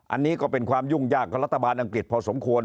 อันนี้ก็เป็นความยุ่งยากของรัฐบาลอังกฤษพอสมควร